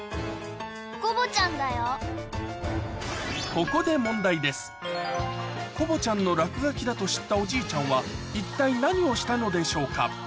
ここでコボちゃんの落書きだと知ったおじいちゃんは一体何をしたのでしょうか？